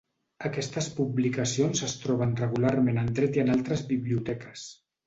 Aquestes publicacions es troben regularment en dret i en altres biblioteques.